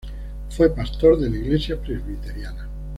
Fue pastor de la iglesia presbiteriana.